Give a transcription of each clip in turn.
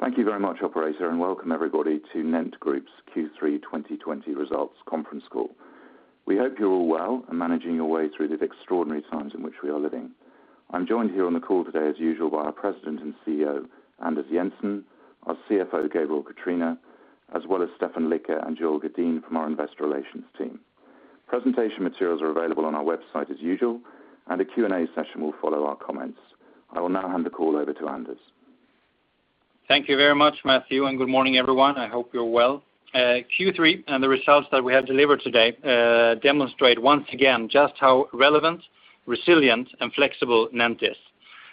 Thank you very much, operator, and welcome everybody to NENT Group's Q3 2020 results conference call. We hope you're all well and managing your way through the extraordinary times in which we are living. I'm joined here on the call today as usual by our President and CEO, Anders Jensen, our CFO, Gabriel Catrina, as well as Stefan Lycke and Joel Gadinn from our investor relations team. Presentation materials are available on our website as usual. A Q&A session will follow our comments. I will now hand the call over to Anders. Thank you very much, Matthew. Good morning, everyone. I hope you are well. Q3 and the results that we have delivered today demonstrate once again just how relevant, resilient, and flexible NENT is.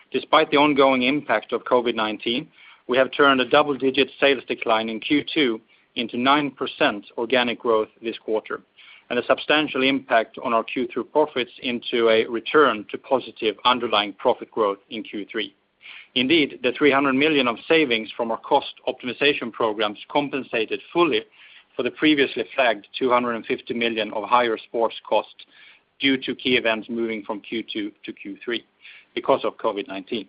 Despite the ongoing impact of COVID-19, we have turned a double-digit sales decline in Q2 into 9% organic growth this quarter, and a substantial impact on our Q2 profits into a return to positive underlying profit growth in Q3. Indeed, the 300 million of savings from our cost optimization programs compensated fully for the previously flagged 250 million of higher sports costs due to key events moving from Q2-Q3 because of COVID-19.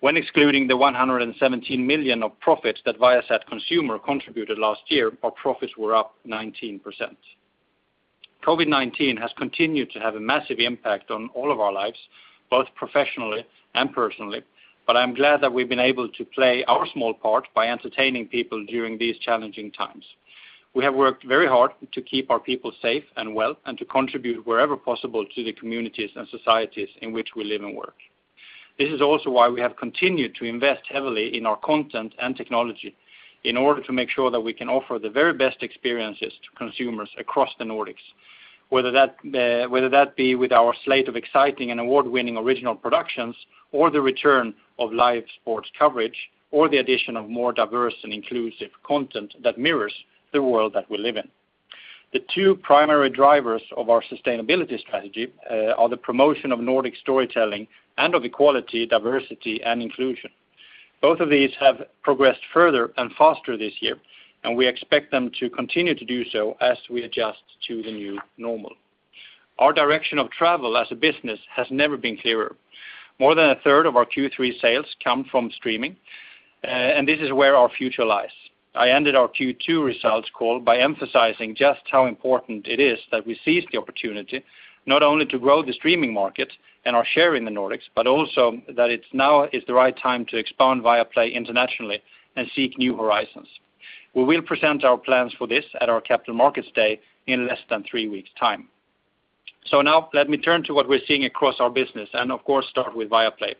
When excluding the 117 million of profits that Viasat Consumer contributed last year, our profits were up 19%. COVID-19 has continued to have a massive impact on all of our lives, both professionally and personally, but I'm glad that we've been able to play our small part by entertaining people during these challenging times. We have worked very hard to keep our people safe and well and to contribute wherever possible to the communities and societies in which we live and work. This is also why we have continued to invest heavily in our content and technology, in order to make sure that we can offer the very best experiences to consumers across the Nordics, whether that be with our slate of exciting and award-winning original productions or the return of live sports coverage or the addition of more diverse and inclusive content that mirrors the world that we live in. The two primary drivers of our sustainability strategy are the promotion of Nordic storytelling and of equality, diversity, and inclusion. Both of these have progressed further and faster this year, and we expect them to continue to do so as we adjust to the new normal. Our direction of travel as a business has never been clearer. More than a third of our Q3 sales come from streaming, and this is where our future lies. I ended our Q2 results call by emphasizing just how important it is that we seize the opportunity, not only to grow the streaming market and our share in the Nordics, but also that now is the right time to expand Viaplay internationally and seek new horizons. We will present our plans for this at our Capital Markets Day in less than three weeks' time. Now let me turn to what we're seeing across our business and of course, start with Viaplay,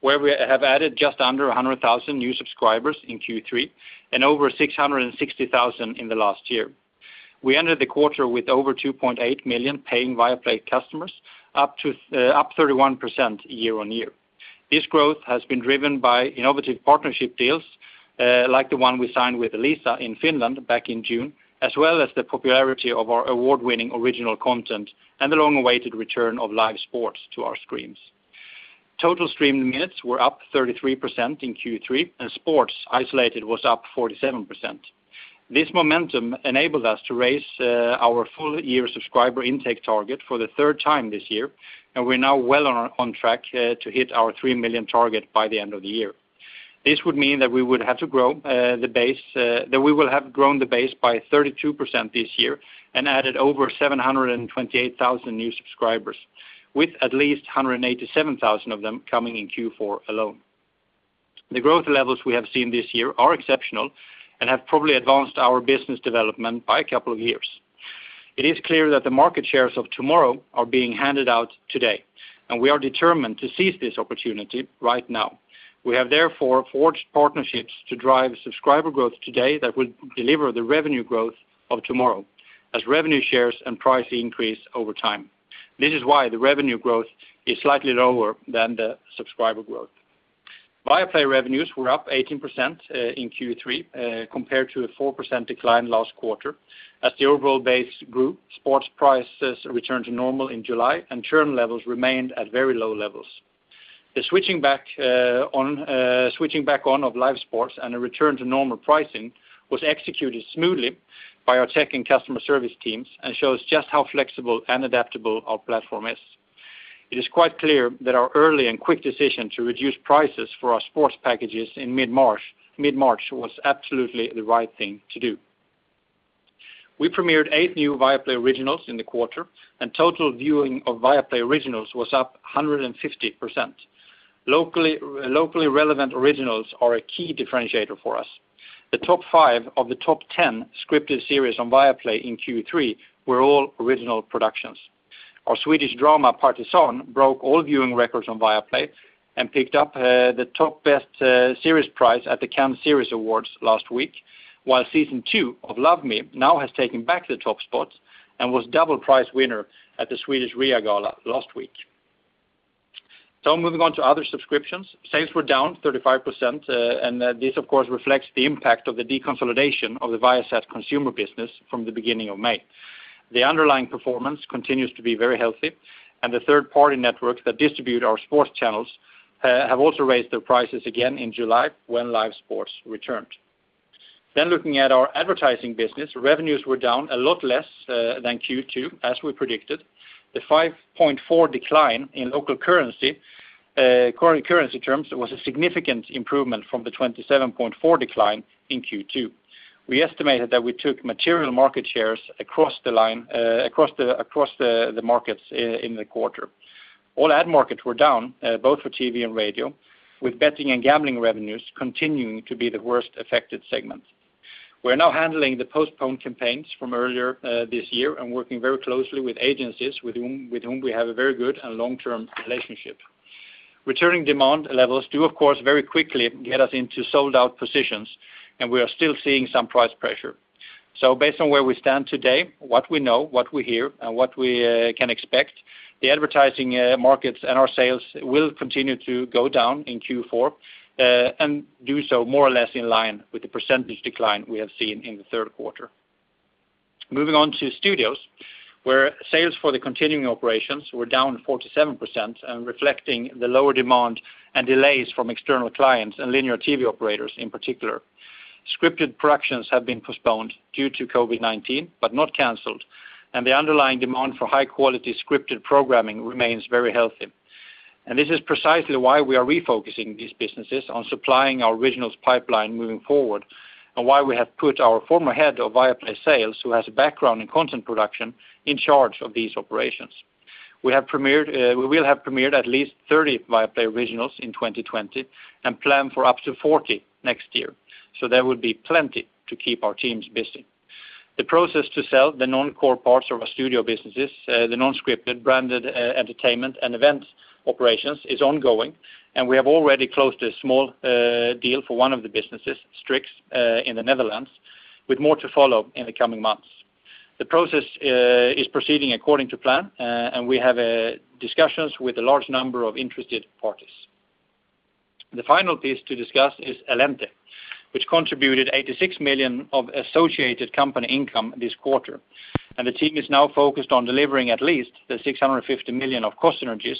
where we have added just under 100,000 new subscribers in Q3 and over 660,000 in the last year. We ended the quarter with over 2.8 million paying Viaplay customers, up 31% year-on-year. This growth has been driven by innovative partnership deals, like the one we signed with Elisa in Finland back in June, as well as the popularity of our award-winning original content and the long-awaited return of live sports to our screens. Total streaming minutes were up 33% in Q3, and sports isolated was up 47%. This momentum enabled us to raise our full-year subscriber intake target for the third time this year, and we're now well on track to hit our 3 million target by the end of the year. This would mean that we will have grown the base by 32% this year and added over 728,000 new subscribers, with at least 187,000 of them coming in Q4 alone. The growth levels we have seen this year are exceptional and have probably advanced our business development by a couple of years. It is clear that the market shares of tomorrow are being handed out today, and we are determined to seize this opportunity right now. We have therefore forged partnerships to drive subscriber growth today that will deliver the revenue growth of tomorrow as revenue shares and pricing increase over time. This is why the revenue growth is slightly lower than the subscriber growth. Viaplay revenues were up 18% in Q3 compared to a 4% decline last quarter as the overall base group sports prices returned to normal in July and churn levels remained at very low levels. The switching back on of live sports and a return to normal pricing was executed smoothly by our tech and customer service teams and shows just how flexible and adaptable our platform is. It is quite clear that our early and quick decision to reduce prices for our sports packages in mid-March was absolutely the right thing to do. We premiered eight new Viaplay Originals in the quarter, and total viewing of Viaplay Originals was up 150%. Locally relevant Originals are a key differentiator for us. The top five of the top 10 scripted series on Viaplay in Q3 were all original productions. Moving on to other subscriptions, sales were down 35%, and this of course, reflects the impact of the deconsolidation of the Viasat Consumer business from the beginning of May. The underlying performance continues to be very healthy, the third-party networks that distribute our sports channels have also raised their prices again in July when live sports returned. Looking at our advertising business, revenues were down a lot less than Q2, as we predicted. The 5.4% decline in local currency terms was a significant improvement from the 27.4% decline in Q2. We estimated that we took material market shares across the markets in the quarter. All ad markets were down, both for TV and radio, with betting and gambling revenues continuing to be the worst affected segment. We're now handling the postponed campaigns from earlier this year and working very closely with agencies with whom we have a very good and long-term relationship. Returning demand levels do, of course, very quickly get us into sold-out positions, and we are still seeing some price pressure. Based on where we stand today, what we know, what we hear, and what we can expect, the advertising markets and our sales will continue to go down in Q4, and do so more or less in line with the % decline we have seen in the third quarter. Moving on to studios, where sales for the continuing operations were down 47% reflecting the lower demand and delays from external clients and linear TV operators in particular. Scripted productions have been postponed due to COVID-19, but not canceled, the underlying demand for high-quality scripted programming remains very healthy. This is precisely why we are refocusing these businesses on supplying our Originals pipeline moving forward and why we have put our former head of Viaplay sales, who has a background in content production, in charge of these operations. We will have premiered at least 30 Viaplay Originals in 2020 and plan for up to 40 next year. There will be plenty to keep our teams busy. The process to sell the non-core parts of our studio businesses, the non-scripted, branded entertainment, and events operations, is ongoing, and we have already closed a small deal for one of the businesses, Strix, in the Netherlands, with more to follow in the coming months. The process is proceeding according to plan, and we have discussions with a large number of interested parties. The final piece to discuss is Allente, which contributed 86 million of associated company income this quarter. The team is now focused on delivering at least the 650 million of cost synergies,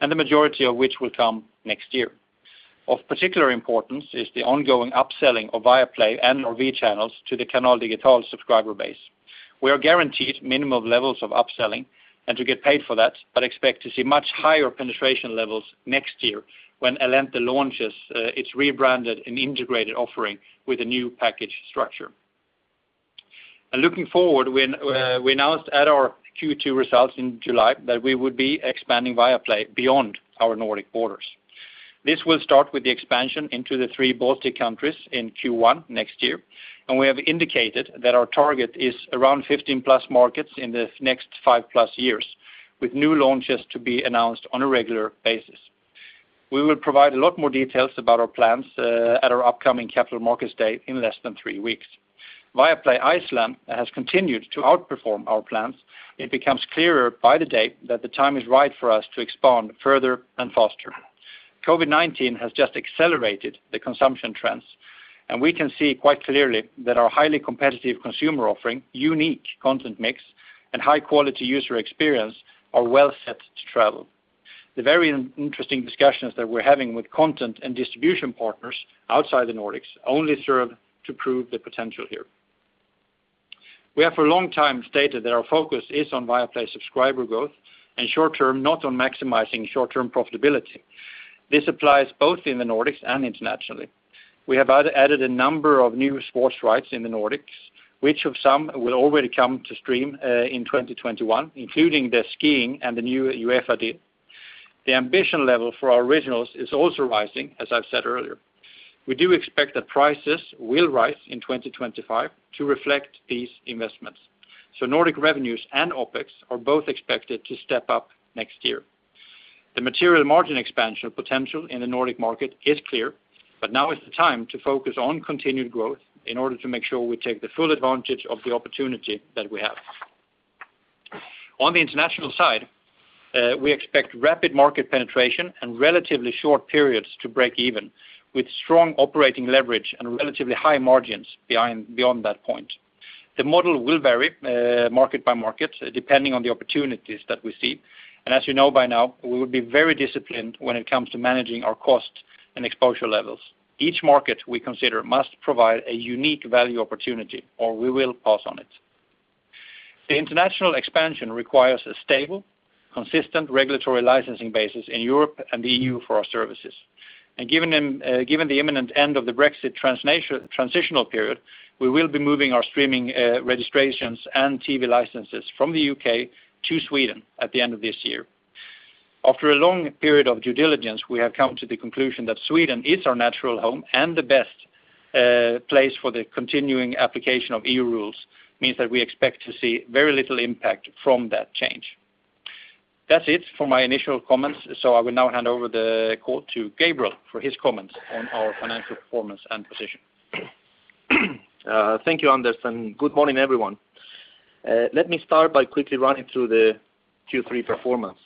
and the majority of which will come next year. Of particular importance is the ongoing upselling of Viaplay and/or V channels to the Canal Digital subscriber base. We are guaranteed minimum levels of upselling and to get paid for that, but expect to see much higher penetration levels next year when Allente launches its rebranded and integrated offering with a new package structure. Looking forward, we announced at our Q2 results in July that we would be expanding Viaplay beyond our Nordic borders. This will start with the expansion into the three Baltic countries in Q1 next year, and we have indicated that our target is around 15+ markets in the next 5+ years, with new launches to be announced on a regular basis. We will provide a lot more details about our plans at our upcoming Capital Markets Day in less than three weeks. Viaplay Iceland has continued to outperform our plans. It becomes clearer by the day that the time is right for us to expand further and faster. COVID-19 has just accelerated the consumption trends. We can see quite clearly that our highly competitive consumer offering, unique content mix, and high-quality user experience are well set to travel. The very interesting discussions that we're having with content and distribution partners outside the Nordics only serve to prove the potential here. We have for a long time stated that our focus is on Viaplay subscriber growth and short term, not on maximizing short-term profitability. This applies both in the Nordics and internationally. We have added a number of new sports rights in the Nordics, which of some will already come to stream, in 2021, including the skiing and the new UEFA deal. The ambition level for our originals is also rising, as I've said earlier. We do expect that prices will rise in 2025 to reflect these investments. Nordic revenues and OpEx are both expected to step up next year. The material margin expansion potential in the Nordic market is clear, but now is the time to focus on continued growth in order to make sure we take the full advantage of the opportunity that we have. On the international side, we expect rapid market penetration and relatively short periods to break even, with strong operating leverage and relatively high margins beyond that point. The model will vary, market by market, depending on the opportunities that we see. As you know by now, we will be very disciplined when it comes to managing our cost and exposure levels. Each market we consider must provide a unique value opportunity, or we will pass on it. The international expansion requires a stable, consistent regulatory licensing basis in Europe and the EU for our services. Given the imminent end of the Brexit transitional period, we will be moving our streaming registrations and TV licenses from the U.K. to Sweden at the end of this year. After a long period of due diligence, we have come to the conclusion that Sweden is our natural home and the best place for the continuing application of EU rules, means that we expect to see very little impact from that change. That's it for my initial comments, so I will now hand over the call to Gabriel for his comments on our financial performance and position. Thank you, Anders, and good morning, everyone. Let me start by quickly running through the Q3 performance.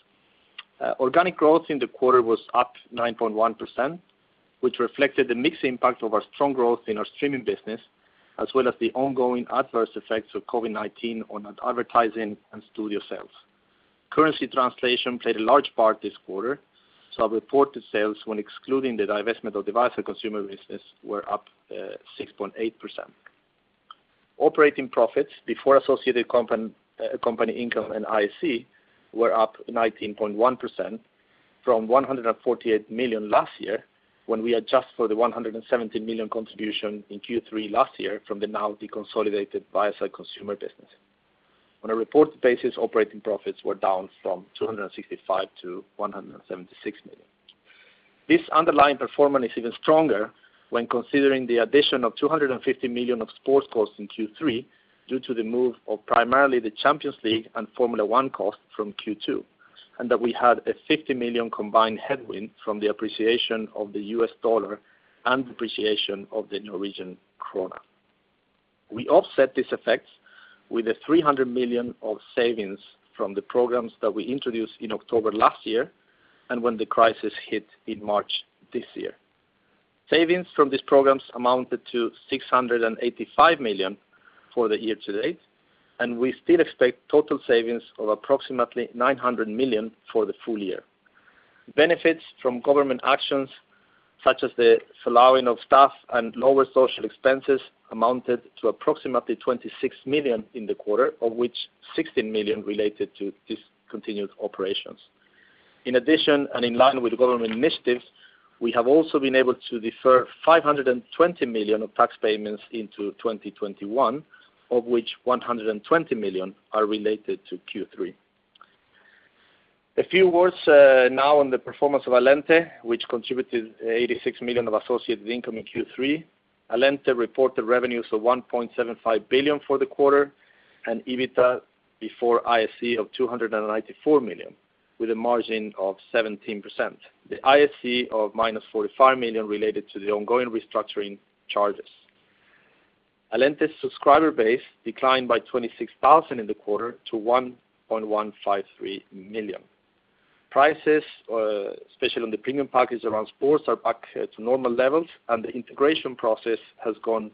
Organic growth in the quarter was up 9.1%, which reflected the mixed impact of our strong growth in our streaming business, as well as the ongoing adverse effects of COVID-19 on advertising and studio sales. Currency translation played a large part this quarter, so reported sales, when excluding the divestment of Viasat Consumer business, were up 6.8%. Operating profits before associated company income and IAC were up 19.1% from 148 million last year, when we adjust for the 117 million contribution in Q3 last year from the now deconsolidated Viasat Consumer business. On a reported basis, operating profits were down from 265 million to 176 million. This underlying performance is even stronger when considering the addition of 250 million of sports costs in Q3 due to the move of primarily the Champions League and Formula 1 costs from Q2, and that we had a 50 million combined headwind from the appreciation of the US dollar and depreciation of the Norwegian krone. We offset this effect with the 300 million of savings from the programs that we introduced in October last year and when the crisis hit in March this year. Savings from these programs amounted to 685 million for the year to date, and we still expect total savings of approximately 900 million for the full year. Benefits from government actions, such as the furloughing of staff and lower social expenses, amounted to approximately 26 million in the quarter, of which 16 million related to discontinued operations. In addition, in line with government initiatives, we have also been able to defer 520 million of tax payments into 2021, of which 120 million are related to Q3. A few words now on the performance of Allente, which contributed 86 million of associated income in Q3. Allente reported revenues of 1.75 billion for the quarter and EBITDA before IAC of 294 million, with a margin of 17%. The IAC of -45 million related to the ongoing restructuring charges. Allente's subscriber base declined by 26,000 in the quarter to 1.153 million. Prices, especially on the premium package around sports, are back to normal levels, and the integration process has gone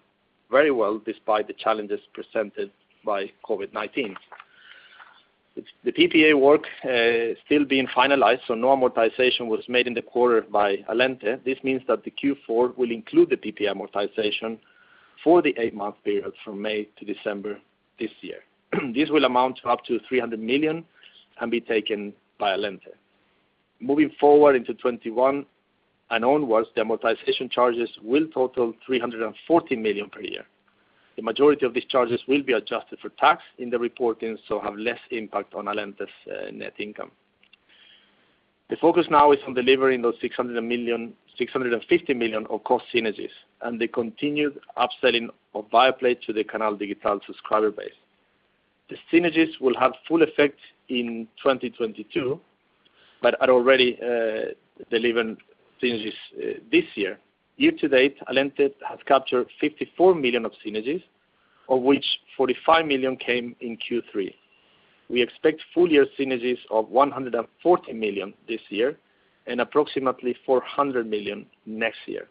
very well despite the challenges presented by COVID-19. The PPA work is still being finalized, so no amortization was made in the quarter by Allente. This means that the Q4 will include the PPA amortization for the eight-month period from May to December this year. This will amount to up to 300 million and be taken by Allente. Moving forward into 2021 and onwards, the amortization charges will total 340 million per year. The majority of these charges will be adjusted for tax in the reporting, so have less impact on Allente's net income. The focus now is on delivering those 650 million of cost synergies and the continued upselling of Viaplay to the Canal Digital subscriber base. The synergies will have full effect in 2022, but are already delivering synergies this year. Year to date, Allente has captured 54 million of synergies, of which 45 million came in Q3. We expect full year synergies of 140 million this year and approximately 400 million next year.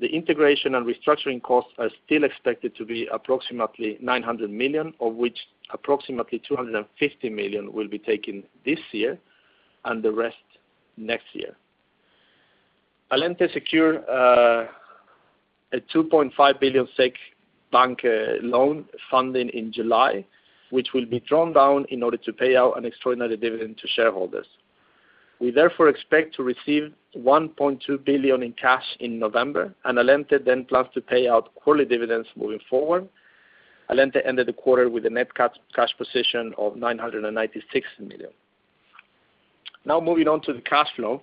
The integration and restructuring costs are still expected to be approximately 900 million, of which approximately 250 million will be taken this year and the rest next year. Allente secured a 2.5 billion SEK bank loan funding in July, which will be drawn down in order to pay out an extraordinary dividend to shareholders. We therefore expect to receive 1.2 billion in cash in November, Allente then plans to pay out quarterly dividends moving forward. Allente ended the quarter with a net cash position of 996 million. Moving on to the cash flow.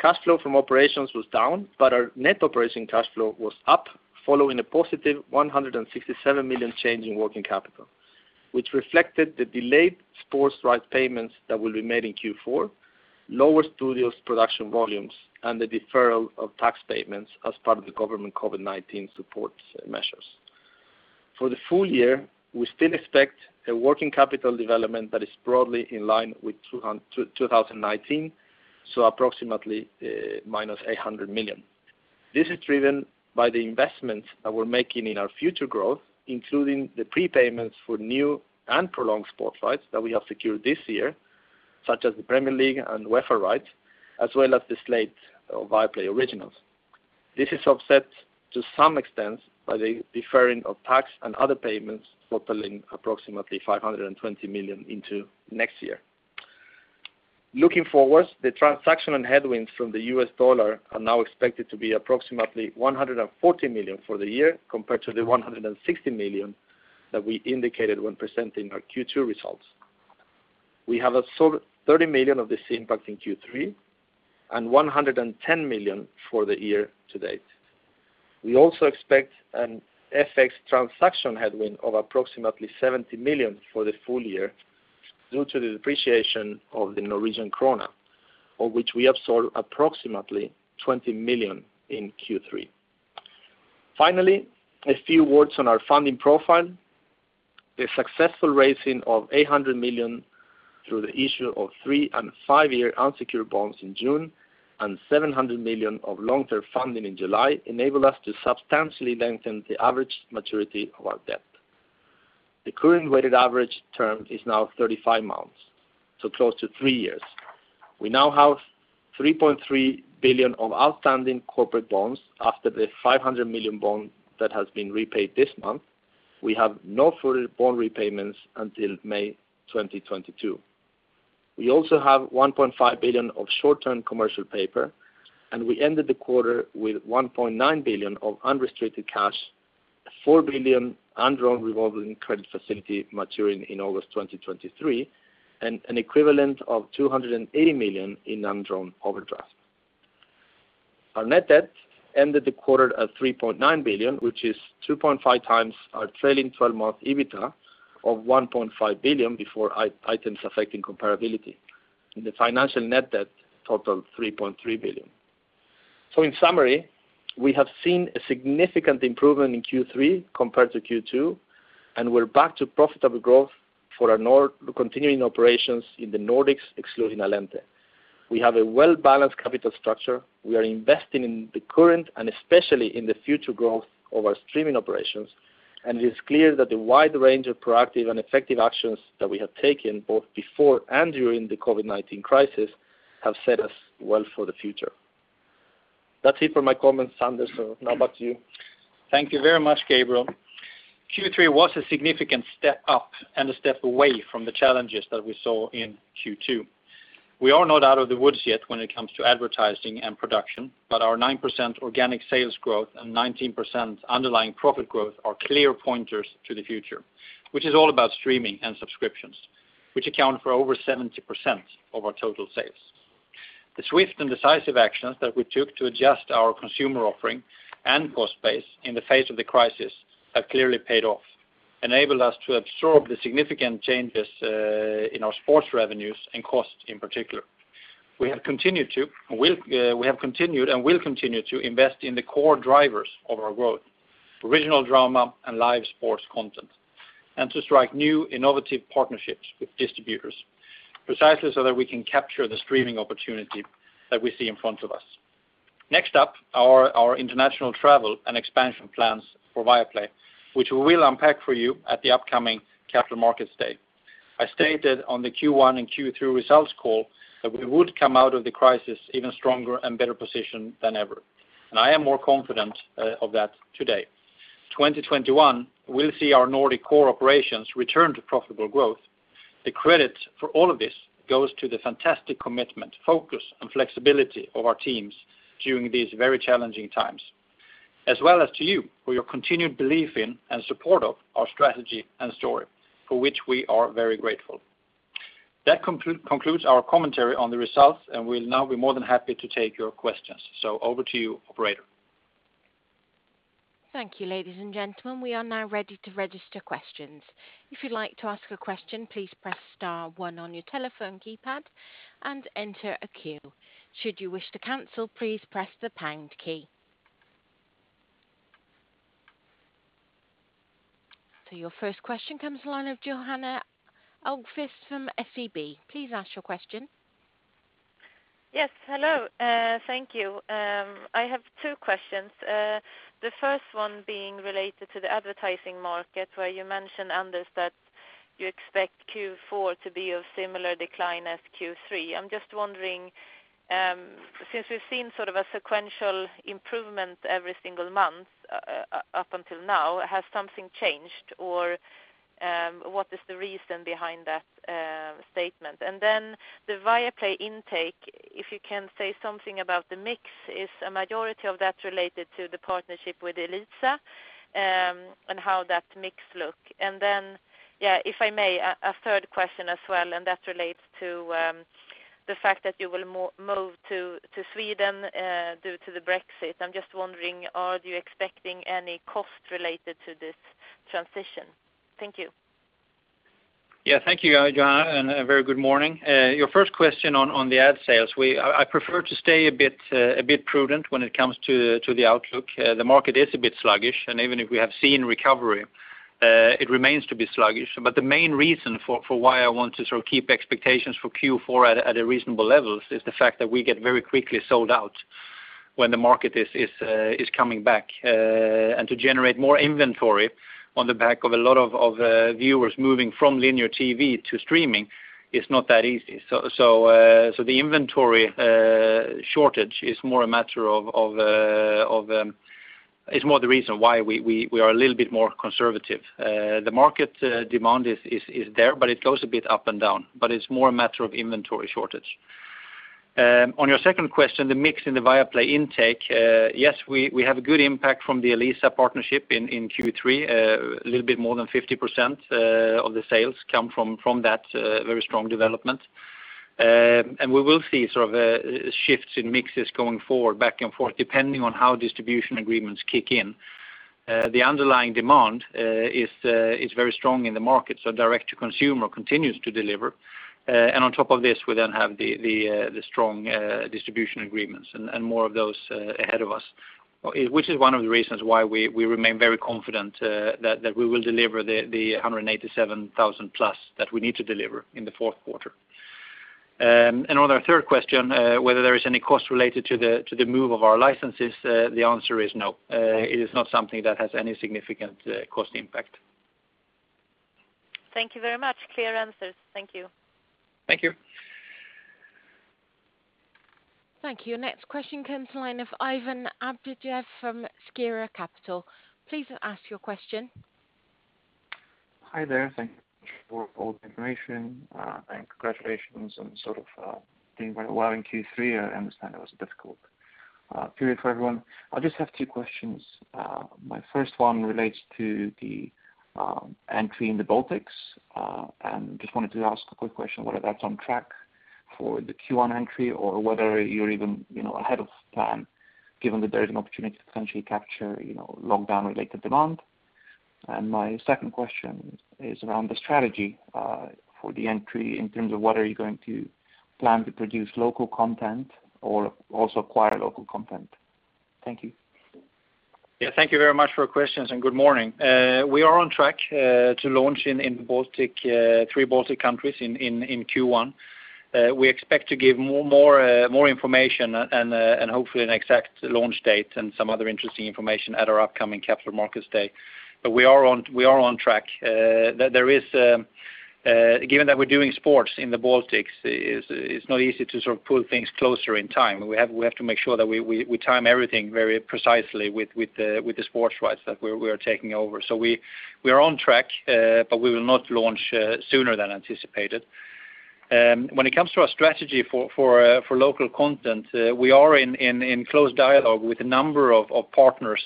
Cash flow from operations was down, but our net operating cash flow was up, following a positive 167 million change in working capital, which reflected the delayed sports rights payments that will be made in Q4, lower studios production volumes, and the deferral of tax payments as part of the government COVID-19 support measures. For the full year, we still expect a working capital development that is broadly in line with 2019, so approximately -800 million. This is driven by the investments that we're making in our future growth, including the prepayments for new and prolonged sports rights that we have secured this year, such as the Premier League and UEFA rights, as well as the slate of Viaplay originals. This is offset to some extent by the deferring of tax and other payments totaling approximately 520 million into next year. Looking forwards, the transaction headwinds from the U.S. dollar are now expected to be approximately 140 million for the year compared to the 160 million that we indicated when presenting our Q2 results. We have absorbed 30 million of this impact in Q3 and 110 million for the year to date. We also expect an FX transaction headwind of approximately 70 million for the full year due to the depreciation of the Norwegian krone, of which we absorbed approximately 20 million in Q3. Finally, a few words on our funding profile. The successful raising of 800 million through the issue of three and five-year unsecured bonds in June and 700 million of long-term funding in July enabled us to substantially lengthen the average maturity of our debt. The current weighted average term is now 35 months, so close to three years. We now have 3.3 billion of outstanding corporate bonds after the 500 million bond that has been repaid this month. We have no further bond repayments until May 2022. We also have 1.5 billion of short-term commercial paper. We ended the quarter with 1.9 billion of unrestricted cash, 4 billion undrawn revolving credit facility maturing in August 2023, and an equivalent of 280 million in undrawn overdraft. Our net debt ended the quarter at 3.9 billion, which is 2.5 times our trailing 12-month EBITDA of 1.5 billion before Items Affecting Comparability. The financial net debt total 3.3 billion. In summary, we have seen a significant improvement in Q3 compared to Q2, and we're back to profitable growth for our continuing operations in the Nordics, excluding Allente. We have a well-balanced capital structure. We are investing in the current and especially in the future growth of our streaming operations, and it is clear that the wide range of proactive and effective actions that we have taken both before and during the COVID-19 crisis have set us well for the future. That's it for my comments, Anders. Now back to you. Thank you very much, Gabriel. Q3 was a significant step up and a step away from the challenges that we saw in Q2. We are not out of the woods yet when it comes to advertising and production, Our 9% organic sales growth and 19% underlying profit growth are clear pointers to the future, which is all about streaming and subscriptions, which account for over 70% of our total sales. The swift and decisive actions that we took to adjust our consumer offering and cost base in the face of the crisis have clearly paid off, enabled us to absorb the significant changes in our sports revenues and costs in particular. We have continued and will continue to invest in the core drivers of our growth, original drama and live sports content, and to strike new innovative partnerships with distributors, precisely so that we can capture the streaming opportunity that we see in front of us. Next up are our international travel and expansion plans for Viaplay, which we will unpack for you at the upcoming Capital Markets Day. I stated on the Q1 and Q2 results call that we would come out of the crisis even stronger and better positioned than ever, and I am more confident of that today. 2021, we'll see our Nordic core operations return to profitable growth. The credit for all of this goes to the fantastic commitment, focus and flexibility of our teams during these very challenging times, as well as to you for your continued belief in and support of our strategy and story, for which we are very grateful. That concludes our commentary on the results, and we'll now be more than happy to take your questions. Over to you, operator. Thank you, ladies and gentlemen. We are now ready to register questions. Your first question comes the line of Johanna Ahlqvist from SEB. Please ask your question. Yes. Hello. Thank you. I have two questions. The first one being related to the advertising market, where you mentioned, Anders, that you expect Q4 to be of similar decline as Q3. I'm just wondering, since we've seen sort of a sequential improvement every single month up until now, has something changed or what is the reason behind that statement? The Viaplay intake, if you can say something about the mix. Is a majority of that related to the partnership with Elisa, and how that mix look? Yeah, if I may, a third question as well, and that relates to the fact that you will move to Sweden due to the Brexit. I'm just wondering, are you expecting any cost related to this transition? Thank you. Thank you, Johanna, a very good morning. Your first question on the ad sales. I prefer to stay a bit prudent when it comes to the outlook. The market is a bit sluggish, and even if we have seen recovery, it remains to be sluggish. The main reason for why I want to sort of keep expectations for Q4 at a reasonable level is the fact that we get very quickly sold out when the market is coming back. To generate more inventory on the back of a lot of viewers moving from linear TV to streaming is not that easy. The inventory shortage is more the reason why we are a little bit more conservative. The market demand is there, but it goes a bit up and down, but it's more a matter of inventory shortage. On your second question, the mix in the Viaplay intake. Yes, we have a good impact from the Elisa partnership in Q3. A little bit more than 50% of the sales come from that very strong development. We will see sort of shifts in mixes going forward, back and forth, depending on how distribution agreements kick in. The underlying demand is very strong in the market, so direct to consumer continues to deliver. On top of this, we then have the strong distribution agreements and more of those ahead of us, which is one of the reasons why we remain very confident that we will deliver the 187,000+ that we need to deliver in the fourth quarter. On our third question, whether there is any cost related to the move of our licenses, the answer is no. It is not something that has any significant cost impact. Thank you very much. Clear answers. Thank you. Thank you. Thank you. Next question comes to line of Ivan Abdyjev from Skera Capital. Please ask your question. Hi there. Thank you for all the information, and congratulations on doing very well in Q3. I understand it was a difficult period for everyone. I just have two questions. My first one relates to the entry in the Baltics. Just wanted to ask a quick question whether that's on track for the Q1 entry or whether you're even ahead of plan, given that there is an opportunity to potentially capture lockdown-related demand. My second question is around the strategy for the entry in terms of whether you're going to plan to produce local content or also acquire local content. Thank you. Thank you very much for your questions. Good morning. We are on track to launch in three Baltic countries in Q1. We expect to give more information and hopefully an exact launch date and some other interesting information at our upcoming Capital Markets Day. We are on track. Given that we're doing sports in the Baltics, it's not easy to pull things closer in time. We have to make sure that we time everything very precisely with the sports rights that we are taking over. We are on track. We will not launch sooner than anticipated. When it comes to our strategy for local content, we are in close dialogue with a number of partners,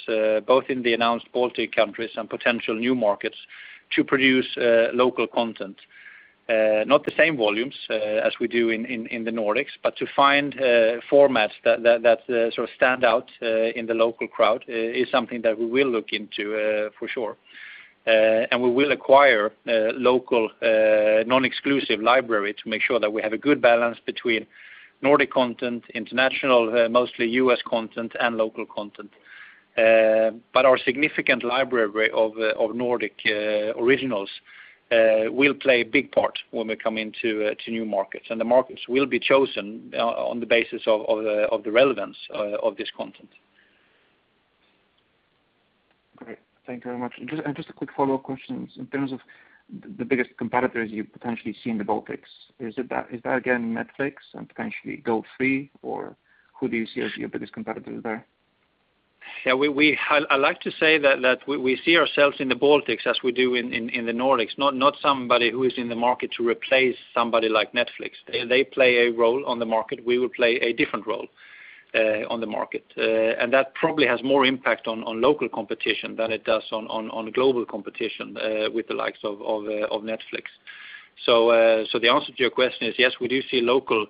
both in the announced Baltic countries and potential new markets, to produce local content. Not the same volumes as we do in the Nordics, but to find formats that stand out in the local crowd is something that we will look into for sure. We will acquire local non-exclusive library to make sure that we have a good balance between Nordic content, international, mostly U.S. content and local content. Our significant library of Nordic originals will play a big part when we come into new markets. The markets will be chosen on the basis of the relevance of this content. Great. Thank you very much. Just a quick follow-up question. In terms of the biggest competitors you potentially see in the Baltics, is that again Netflix and potentially Go3, or who do you see as your biggest competitors there? I like to say that we see ourselves in the Baltics as we do in the Nordics, not somebody who is in the market to replace somebody like Netflix. They play a role on the market. We will play a different role on the market. That probably has more impact on local competition than it does on global competition with the likes of Netflix. The answer to your question is, yes, we do see local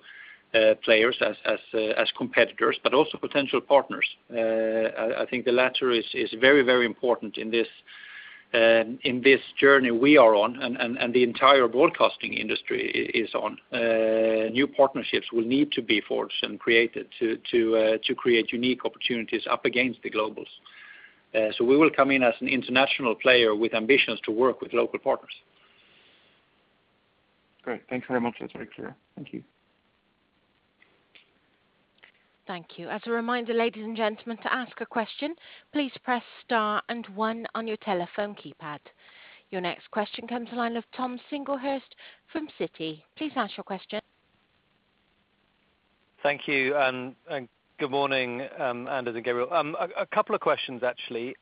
players as competitors, but also potential partners. I think the latter is very, very important in this journey we are on and the entire broadcasting industry is on. New partnerships will need to be forged and created to create unique opportunities up against the globals. We will come in as an international player with ambitions to work with local partners. Great. Thanks very much. That's very clear. Thank you. Thank you. As a reminder, ladies and gentlemen, to ask a question, please press star and one on your telephone keypad. Your next question comes to line of Tom Singlehurst from Citi. Please ask your question. Thank you. Good morning, Anders and Gabriel. A couple of questions, actually.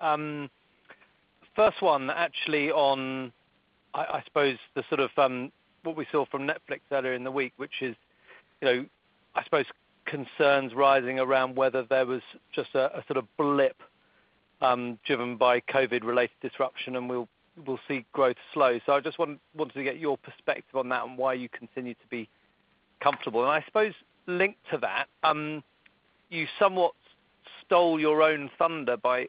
First one, actually, on, I suppose the sort of what we saw from Netflix earlier in the week, which is, I suppose concerns rising around whether there was just a sort of blip driven by COVID-related disruption and we'll see growth slow. I just wanted to get your perspective on that and why you continue to be comfortable. I suppose linked to that, you somewhat stole your own thunder by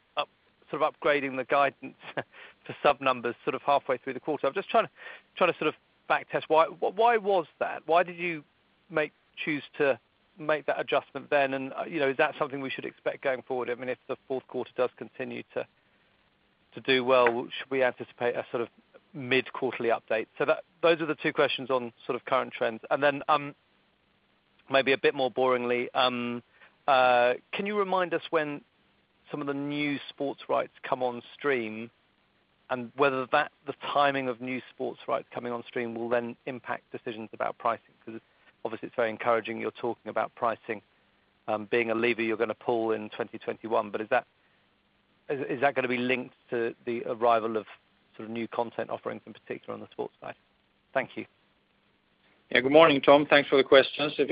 upgrading the guidance to sub numbers sort of halfway through the quarter. I'm just trying to sort of back test why was that? Why did you choose to make that adjustment then? Is that something we should expect going forward? If the fourth quarter does continue to do well, should we anticipate a sort of mid-quarterly update? Those are the two questions on current trends. Then maybe a bit more boringly, can you remind us when some of the new sports rights come on stream and whether the timing of new sports rights coming on stream will then impact decisions about pricing? Obviously it's very encouraging you're talking about pricing being a lever you're going to pull in 2021, but is that going to be linked to the arrival of new content offerings in particular on the sports side? Thank you. Yeah. Good morning, Tom. Thanks for the questions. The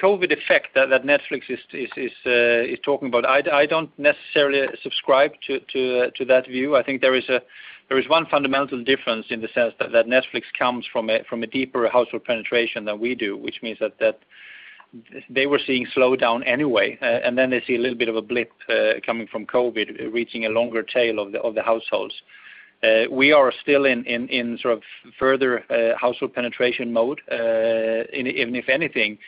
COVID effect that Netflix is talking about, I don't necessarily subscribe to that view. I think there is one fundamental difference in the sense that Netflix comes from a deeper household penetration than we do, which means that they were seeing slowdown anyway, and then they see a little bit of a blip coming from COVID reaching a longer tail of the households. We are still in further household penetration mode. If anything,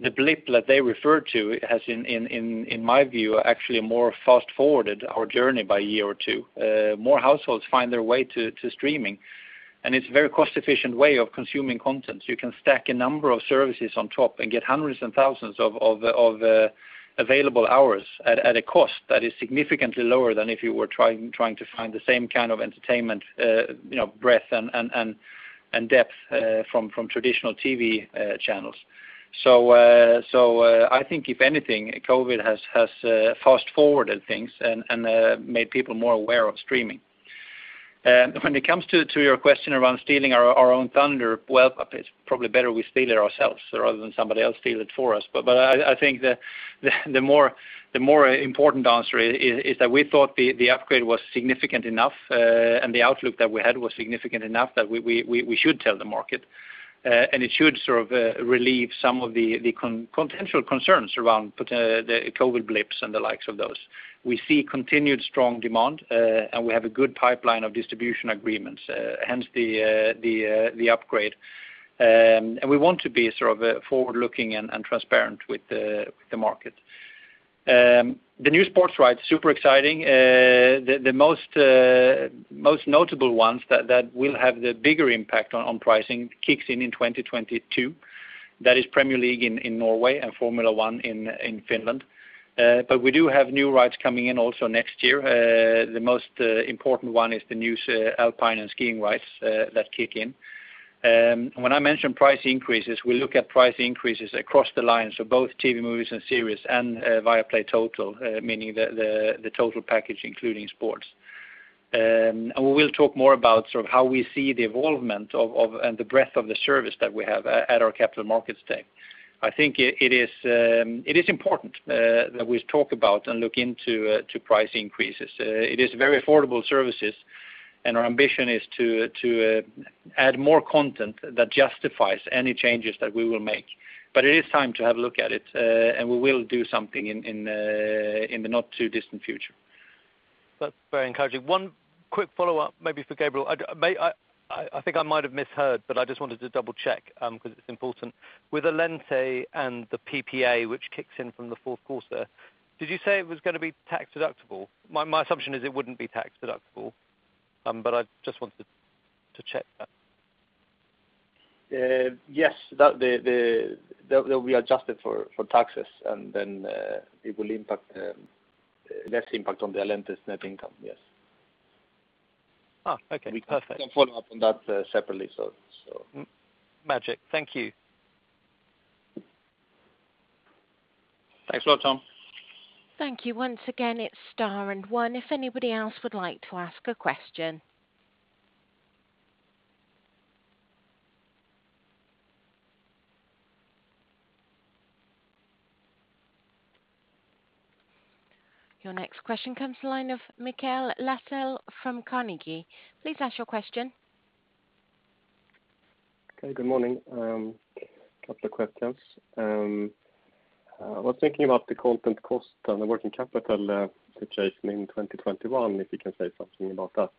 the blip that they refer to has, in my view, actually more fast-forwarded our journey by a year or two. More households find their way to streaming, and it's a very cost-efficient way of consuming content. You can stack a number of services on top and get hundreds and thousands of available hours at a cost that is significantly lower than if you were trying to find the same kind of entertainment breadth and depth from traditional TV channels. I think if anything, COVID has fast-forwarded things and made people more aware of streaming. When it comes to your question around stealing our own thunder, well, it's probably better we steal it ourselves rather than somebody else steal it for us. I think the more important answer is that we thought the upgrade was significant enough and the outlook that we had was significant enough that we should tell the market. It should sort of relieve some of the potential concerns around the COVID blips and the likes of those. We see continued strong demand. We have a good pipeline of distribution agreements, hence the upgrade. The new sports rights, super exciting. The most notable ones that will have the bigger impact on pricing kicks in in 2022. That is Premier League in Norway and Formula 1 in Finland. We do have new rights coming in also next year. The most important one is the new alpine and skiing rights that kick in. When I mention price increases, we look at price increases across the line, so both TV, movies, and series, and Viaplay Total, meaning the total package, including sports. We'll talk more about how we see the evolvement and the breadth of the service that we have at our Capital Markets Day. I think it is important that we talk about and look into price increases. It is very affordable services, and our ambition is to add more content that justifies any changes that we will make. It is time to have a look at it, and we will do something in the not-too-distant future. That's very encouraging. One quick follow-up, maybe for Gabriel. I think I might have misheard, but I just wanted to double-check because it's important. With Allente and the PPA, which kicks in from the fourth quarter, did you say it was going to be tax-deductible? My assumption is it wouldn't be tax-deductible, but I just wanted to check that. Yes. They'll be adjusted for taxes, and then it will less impact on Allente's net income, yes. Okay. Perfect. We can follow up on that separately. Magic. Thank you. Thanks a lot, Tom. Thank you. Once again, it's star and one if anybody else would like to ask a question. Your next question comes to the line of Mikael Laséen from Carnegie. Please ask your question. Okay, good morning. A couple of questions. I was thinking about the content cost and the working capital situation in 2021, if you can say something about that.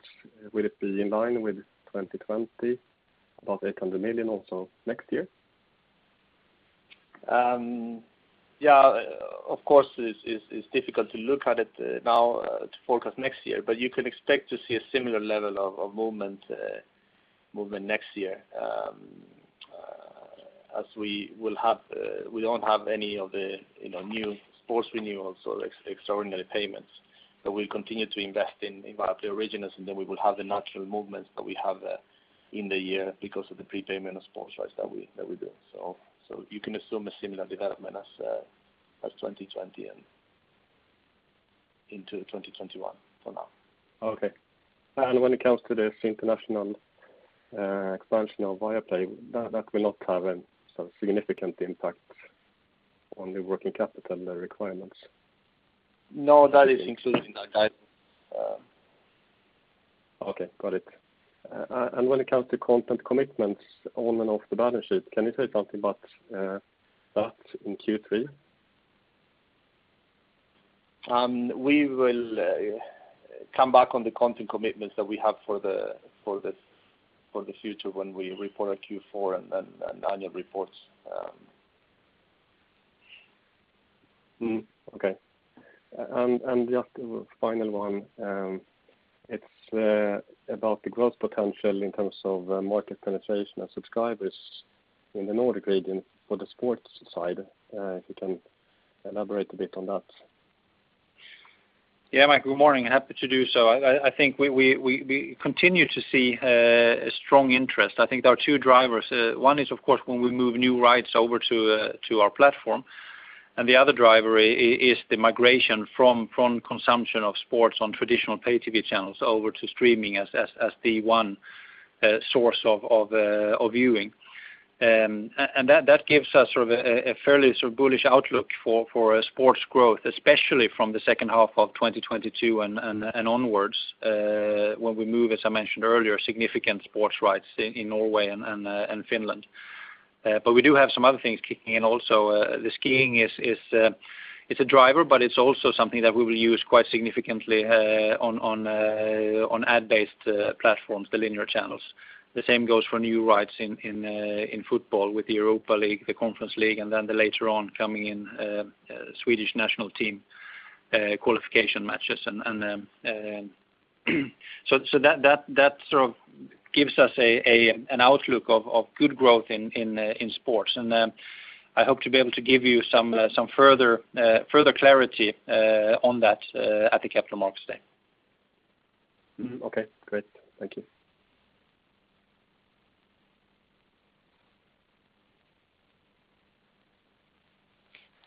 Will it be in line with 2020, about 800 million also next year? Yeah. Of course, it's difficult to look at it now to forecast next year, but you can expect to see a similar level of movement next year, as we don't have any of the new sports renewals or extraordinary payments. We'll continue to invest in Viaplay originals. Then we will have the natural movements that we have in the year because of the prepayment of sports rights that we do. You can assume a similar development as 2020 and into 2021 for now. Okay. When it comes to this international expansion of Viaplay, that will not have any significant impact on the working capital requirements? No, that is included in that guidance. Okay, got it. When it comes to content commitments on and off the balance sheet, can you say something about that in Q3? We will come back on the content commitments that we have for the future when we report our Q4 and annual reports. Okay. Just a final one. It's about the growth potential in terms of market penetration and subscribers in the Nordic region for the sports side, if you can elaborate a bit on that. Yeah, Mike, good morning. Happy to do so. I think we continue to see a strong interest. I think there are two drivers. One is, of course, when we move new rights over to our platform, the other driver is the migration from consumption of sports on traditional pay-TV channels over to streaming as the one source of viewing. That gives us a fairly bullish outlook for sports growth, especially from the second half of 2022 and onwards, when we move, as I mentioned earlier, significant sports rights in Norway and Finland. We do have some other things kicking in also. The skiing is a driver, but it's also something that we will use quite significantly on ad-based platforms, the linear channels. The same goes for new rights in football with the Europa League, the Conference League, and later on coming in Swedish national team qualification matches. That sort of gives us an outlook of good growth in sports. I hope to be able to give you some further clarity on that at the Capital Markets Day. Okay, great.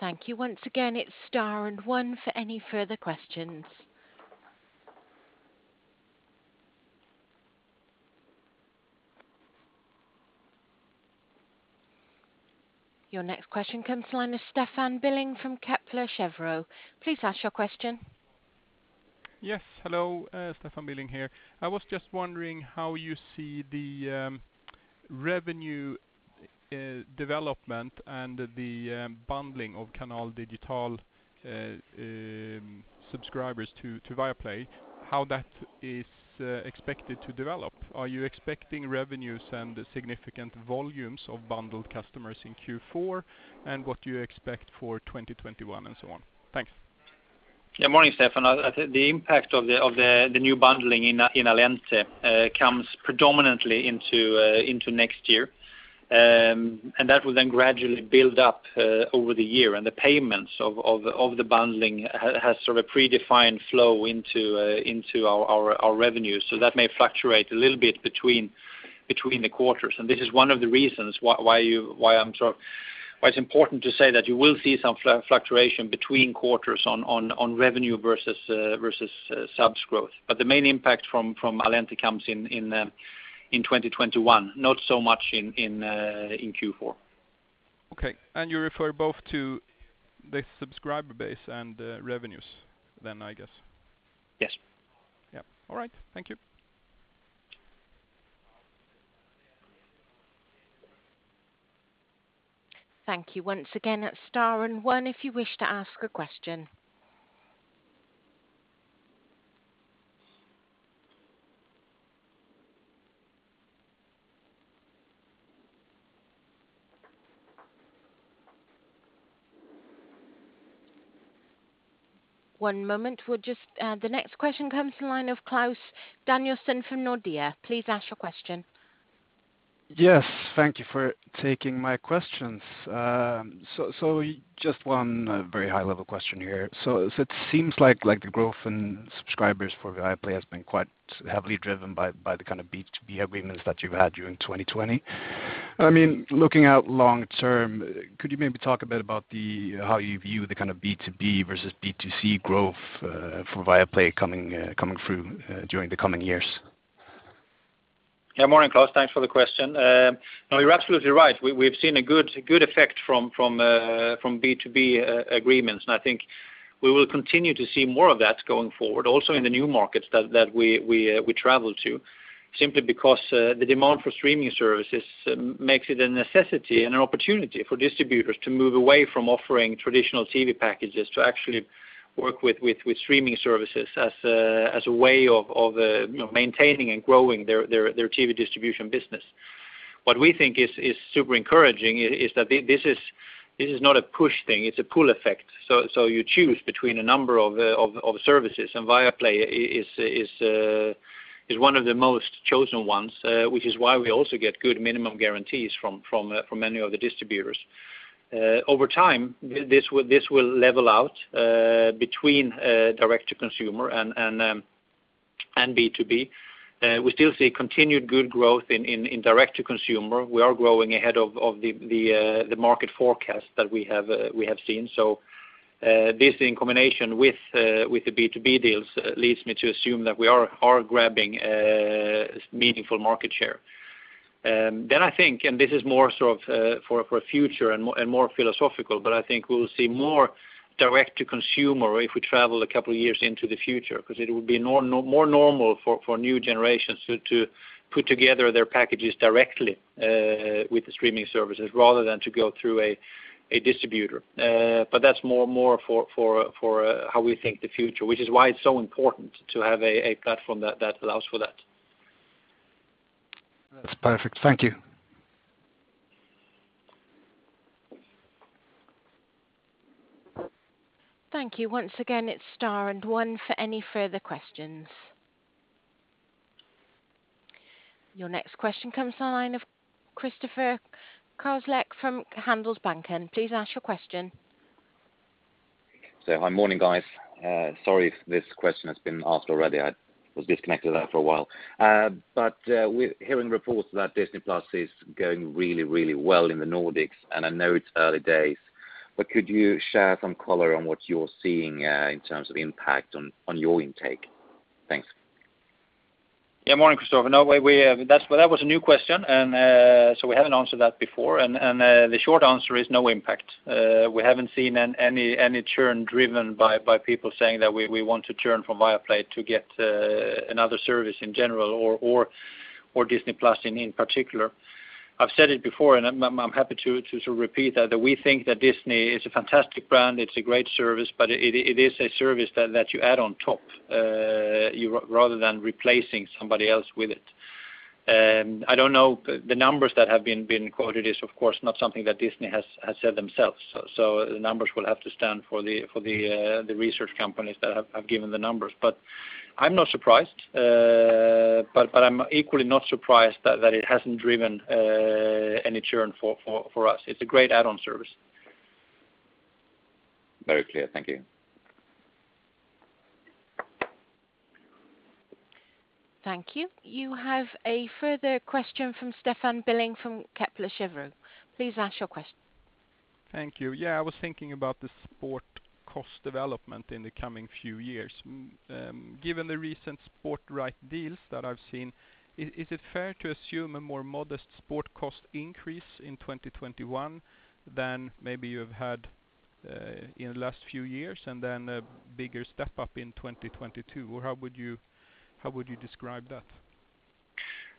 Thank you. Thank you. Once again, it's star and one for any further questions. Your next question comes from the line of Stefan Billing from Kepler Cheuvreux. Please ask your question. Yes, hello. Stefan Billing here. I was just wondering how you see the revenue development and the bundling of Canal Digital subscribers to Viaplay, how that is expected to develop. Are you expecting revenues and significant volumes of bundled customers in Q4? What do you expect for 2021 and so on? Thanks. Morning, Stefan. I think the impact of the new bundling in Allente comes predominantly into next year, and that will then gradually build up over the year. The payments of the bundling has sort of a predefined flow into our revenues. That may fluctuate a little bit between the quarters, and this is one of the reasons why it's important to say that you will see some fluctuation between quarters on revenue versus subs growth. The main impact from Allente comes in 2021, not so much in Q4. Okay. You refer both to the subscriber base and revenues then, I guess. Yes. Yeah. All right. Thank you. Thank you. Once again, it's star and one if you wish to ask a question. One moment. The next question comes from the line of Claus Danielsen from Nordea. Please ask your question. Yes. Thank you for taking my questions. Just one very high-level question here. It seems like the growth in subscribers for Viaplay has been quite heavily driven by the kind of B2B agreements that you've had during 2020. Looking out long term, could you maybe talk a bit about how you view the kind of B2B versus B2C growth for Viaplay coming through during the coming years? Morning, Claus. Thanks for the question. You're absolutely right. We've seen a good effect from B2B agreements. I think we will continue to see more of that going forward, also in the new markets that we travel to. Simply because the demand for streaming services makes it a necessity and an opportunity for distributors to move away from offering traditional TV packages to actually work with streaming services as a way of maintaining and growing their TV distribution business. What we think is super encouraging is that this is not a push thing, it's a pull effect. You choose between a number of services. Viaplay is one of the most chosen ones, which is why we also get good minimum guarantees from many of the distributors. Over time, this will level out between direct to consumer and B2B. We still see continued good growth in direct-to-consumer. We are growing ahead of the market forecast that we have seen. This, in combination with the B2B deals, leads me to assume that we are grabbing meaningful market share. I think, and this is more for a future and more philosophical, but I think we'll see more direct-to-consumer if we travel a couple of years into the future, because it will be more normal for new generations to put together their packages directly with the streaming services, rather than to go through a distributor. That's more for how we think the future, which is why it's so important to have a platform that allows for that. That's perfect. Thank you. Thank you. Once again, it is star and one for any further questions. Your next question comes to the line of Kristoffer Lindström from Handelsbanken. Please ask your question. Hi. Morning, guys. Sorry if this question has been asked already. I was disconnected there for a while. We're hearing reports that Disney+ is going really well in the Nordics, and I know it's early days, but could you share some color on what you're seeing in terms of impact on your intake? Thanks. Morning, Kristoffer. That was a new question. We haven't answered that before. The short answer is no impact. We haven't seen any churn driven by people saying that we want to churn from Viaplay to get another service in general or Disney+ in particular. I've said it before. I'm happy to repeat that we think that Disney is a fantastic brand. It's a great service. It is a service that you add on top, rather than replacing somebody else with it. I don't know the numbers that have been quoted is, of course, not something that Disney has said themselves. The numbers will have to stand for the research companies that have given the numbers. I'm not surprised. I'm equally not surprised that it hasn't driven any churn for us. It's a great add-on service. Very clear. Thank you. Thank you. You have a further question from Stefan Billing from Kepler Cheuvreux. Please ask your question. Thank you. Yeah, I was thinking about the sport cost development in the coming few years. Given the recent sport right deals that I've seen, is it fair to assume a more modest sport cost increase in 2021 than maybe you have had in the last few years and then a bigger step-up in 2022? How would you describe that?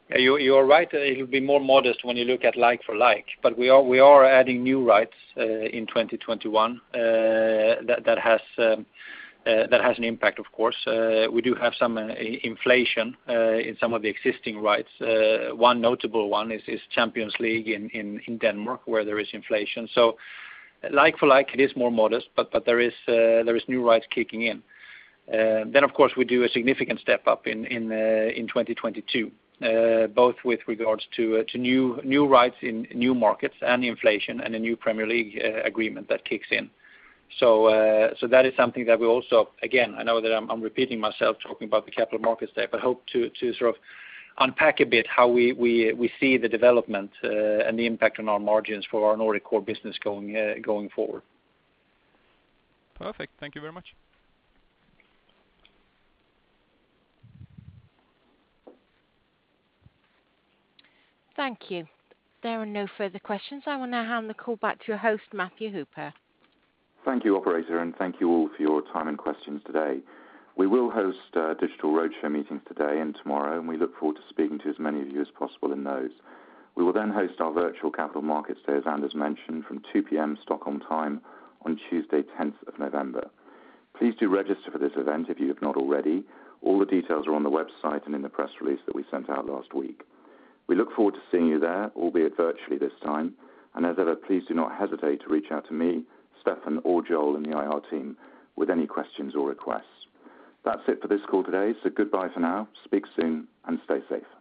Yeah, you are right. It will be more modest when you look at like for like. We are adding new rights, in 2021, that has an impact, of course. We do have some inflation in some of the existing rights. One notable one is Champions League in Denmark, where there is inflation. Like for like, it is more modest, but there is new rights kicking in. Of course, we do a significant step-up in 2022, both with regards to new rights in new markets and the inflation and the new Premier League agreement that kicks in. That is something that we also, again, I know that I am repeating myself talking about the Capital Markets Day, but hope to sort of unpack a bit how we see the development, and the impact on our margins for our Nordic core business going forward. Perfect. Thank you very much. Thank you. There are no further questions. I will now hand the call back to your host, Matthew Hooper. Thank you, operator. Thank you all for your time and questions today. We will host digital roadshow meetings today and tomorrow, and we look forward to speaking to as many of you as possible in those. We will host our virtual Capital Markets Day, as Anders mentioned, from 2:00 P.M. Stockholm time on Tuesday, 10th of November. Please do register for this event if you have not already. All the details are on the website and in the press release that we sent out last week. We look forward to seeing you there, albeit virtually this time, and as ever, please do not hesitate to reach out to me, Stefan, or Joel in the IR team with any questions or requests. That's it for this call today. Goodbye for now. Speak soon and stay safe.